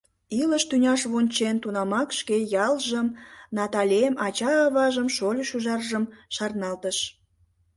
Илыш тӱняш вончен, тунамак шке ялжым, Наталем, ача-аважым, шольо-шӱжаржым шарналтыш.